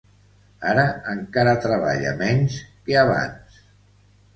Ara encara treballa menys que abans.